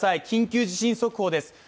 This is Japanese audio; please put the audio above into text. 緊急地震速報です。